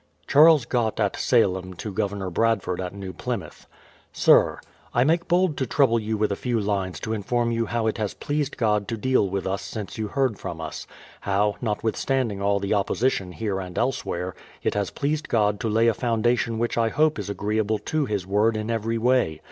Charles Gott at Salem to Governor Bradford at New Plymouth: Sir, I make bold to trouble you with a few lines to inform 3'ou how it has pleased God to deal with us since you heard from us ; how, notwithstanding all the opposition here and elsewhere, it has pleased God to lay a foundation which I hope is agreeable to His word in every way.